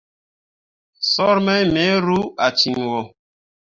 Soor mai me ru a ciŋwo.